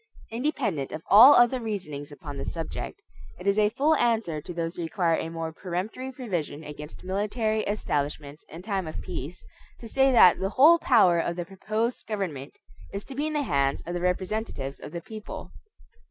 Independent of all other reasonings upon the subject, it is a full answer to those who require a more peremptory provision against military establishments in time of peace, to say that the whole power of the proposed government is to be in the hands of the representatives of the people.